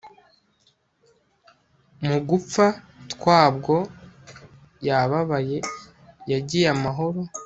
mugupfa tabwo yababaye yagiye amahoro